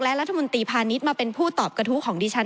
และรัฐมนตรีพาณิชย์มาเป็นผู้ตอบกระทู้ของดิฉัน